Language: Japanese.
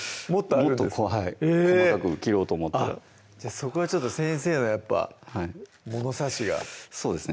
もっと細かく切ろうと思ったらそこが先生のやっぱ物差しがそうですね